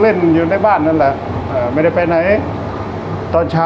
สวัสดีครับผมชื่อสามารถชานุบาลชื่อเล่นว่าขิงถ่ายหนังสุ่นแห่ง